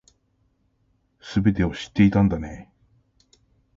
全てを知っていたんだね